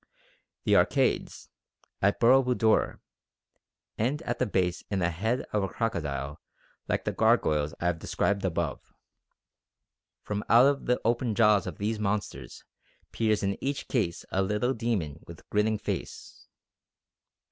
The arcades (at Boro Budor) end at the base in a head of a crocodile like the gargoyles I have described above. From out the open jaws of these monsters peers in each case a little demon with grinning face."